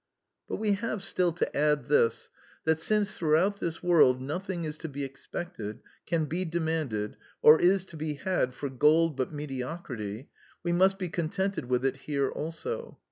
But we have still to add this, that since throughout this world nothing is to be expected, can be demanded, or is to be had for gold but mediocrity, we must be contented with it here also.